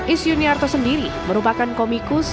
is yuniarto sendiri merupakan komikus